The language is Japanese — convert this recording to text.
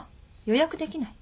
予約できない？